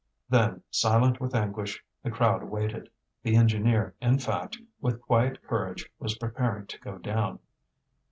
Then, silent with anguish, the crowd waited. The engineer, in fact, with quiet courage was preparing to go down.